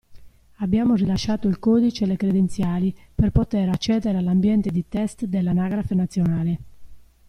Abbiamo rilasciato il codice e le credenziali per poter accedere all'ambiente di test dell'Anagrafe nazionale.